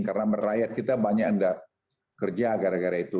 karena merayat kita banyak yang kerja gara gara itu